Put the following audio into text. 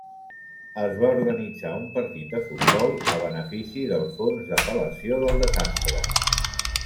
Es va organitzar un partit de futbol a benefici del fons d'apel·lació del desastre.